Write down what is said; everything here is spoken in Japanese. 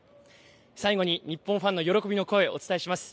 最後に日本ファンの喜びの声をお伝えします。